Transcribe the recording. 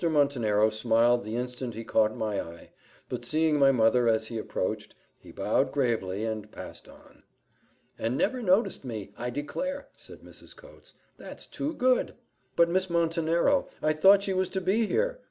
Montenero smiled the instant he caught my eye, but seeing my mother as he approached, he bowed gravely, and passed on. "And never noticed me, I declare," said Mrs. Coates: "that's too good!" "But Miss Montenero! I thought she was to be here?"